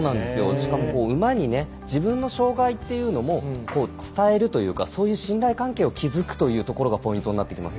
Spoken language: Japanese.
しかも馬に自分の障がいというのも伝えるというかそういう信頼関係を築くというところがポイントになってきます。